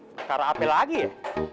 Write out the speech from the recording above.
pekara apa lagi ya